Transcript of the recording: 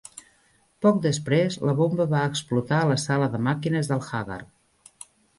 Poc després, la bomba va explotar a la sala de màquines del "Haggard".